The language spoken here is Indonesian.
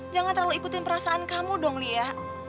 jangan terlalu ikutin perasaan kamu dong lia